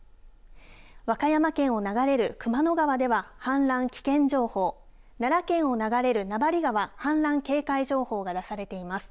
和歌山県を流れる熊野川では氾濫危険情報、奈良県を流れる名張川、氾濫警戒情報が出されています。